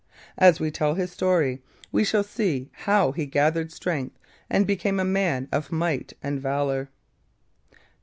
As we tell his story, we shall see how he gathered strength and became a man of might and of valour.